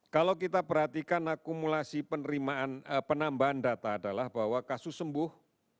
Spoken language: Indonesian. kalau kita perhatikan akumulasi penambahan data adalah bahwa kasus sembuh